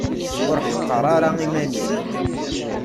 Ur ḥeqqer ara iman-im.